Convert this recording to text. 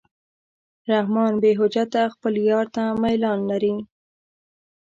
رحمان بېحجته خپل یار ته میلان لري.